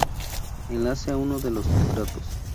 Enlace a unos de los contratos